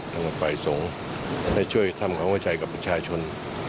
กับฝ่ายสงฆ์ให้ช่วยทำความเข้าใจกับประชาชน